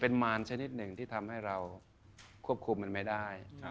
เป็นมารชนิดหนึ่งที่ทำให้เราควบคุมมันไม่ได้